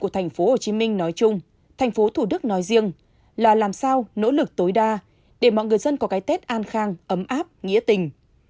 thành phố thủ đức nói riêng là làm sao nỗ lực tối đa để mọi người dân có cái tết an khang ấm áp nghĩa tình